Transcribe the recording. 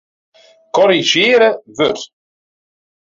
Korrizjearje wurd.